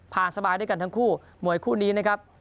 สบายด้วยกันทั้งคู่มวยคู่นี้นะครับ